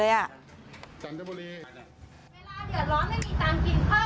พี่สาวครับมีทอง๒สลึง๒เฟ้นทอง